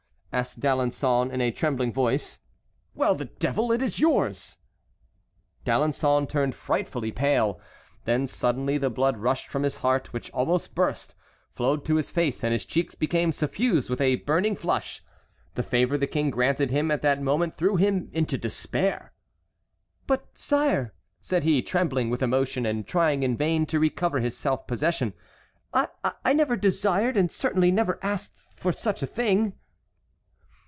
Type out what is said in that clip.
asked D'Alençon in a trembling voice. "Well, the devil! it is yours." D'Alençon turned frightfully pale; then suddenly the blood rushed from his heart, which almost burst, flowed to his face, and his cheeks became suffused with a burning flush. The favor the King granted him at that moment threw him into despair. "But, sire," said he, trembling with emotion and trying in vain to recover his self possession, "I never desired and certainly never asked for such a thing."